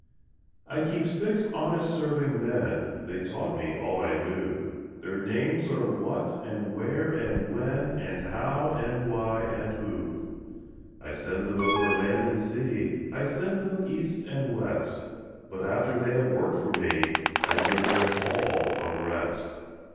I Keep six honest serving men: (They taught me all I knew) Their names are What and Where and When And How and Why and Who. I send them over land and sea, I send them east and west; But after they have worked for me, I give them all a rest.